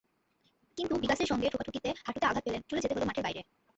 কিন্তু বিগাসের সঙ্গে ঠোকাঠুকিতে হাঁটুতে আঘাত পেলেন, চলে যেতে হলো মাঠের বাইরে।